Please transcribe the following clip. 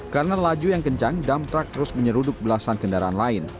karena laju yang kencang dump truck terus menyeruduk belasan kendaraan lain